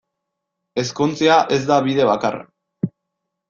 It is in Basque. Ezkontzea ez da bide bakarra.